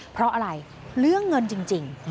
เพราะอะไรเรื่องเงินจริง